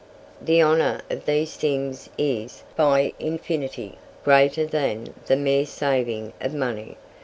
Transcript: The honour of these things is, by infinity, greater than the mere saving of money.